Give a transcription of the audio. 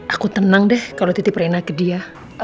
aku tenang deh kalau titip rena ke dia